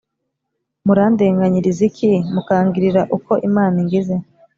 murandenganyiriza iki mukangirira uko imana ingize’